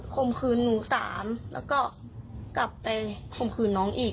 มขืนหนูสามแล้วก็กลับไปข่มขืนน้องอีก